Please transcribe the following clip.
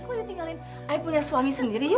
kok lu tinggalin ayah punya suami sendiri